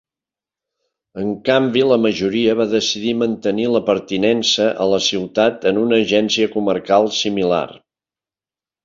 En canvi, la majoria va decidir mantenir la pertinença a la ciutat en una agència comarcal similar.